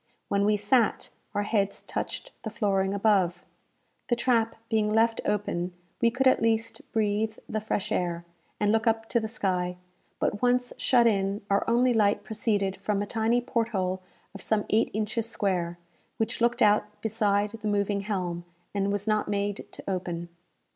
When we sat, our heads touched the flooring above. The trap being left open, we could at least breathe the fresh air, and look up to the sky; but, once shut in, our only light proceeded from a tiny port hole of some eight inches square, which looked out beside the moving helm, and was not made to open.